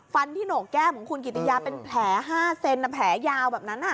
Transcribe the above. ฟันที่โหนกแก้มของคุณกิติยาเป็นแผล๕เซนแผลยาวแบบนั้น